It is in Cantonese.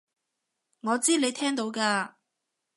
我知你聽到㗎